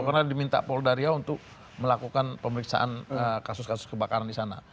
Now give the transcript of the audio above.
karena diminta pol daria untuk melakukan pemeriksaan kasus kasus kebakaran di sana